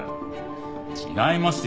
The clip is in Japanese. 違いますよ！